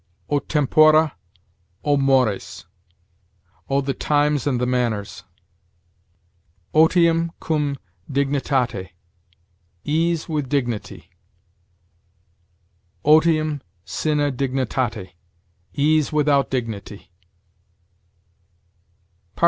O tempora, O mores! O the times and the manners! Otium cum dignitate: ease with dignity. Otium sine dignitate: ease without dignity.